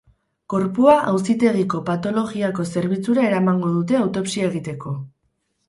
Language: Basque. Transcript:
Gorpua auzitegiko patologiako zerbitzura eramango dute autopsia egiteko.